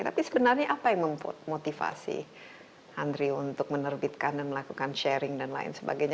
tapi sebenarnya apa yang memotivasi andri untuk menerbitkan dan melakukan sharing dan lain sebagainya